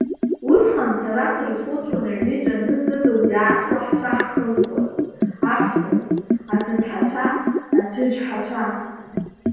Усҟан сара срызхәыцуан аҩны итәаны зыбз иаасуа ҳцәа ҳхызхуаз аҳәса, аҭыԥҳацәа, аҭыџьҳацәа.